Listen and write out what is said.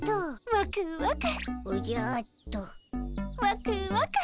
ワクワク。